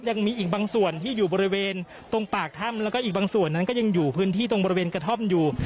ยังมีอีกบางส่วนที่อยู่บริเวณตรงปากถ้ำแล้วก็อีกบางส่วนนั้นก็ยังอยู่พื้นที่ตรงบริเวณกระท่อมอยู่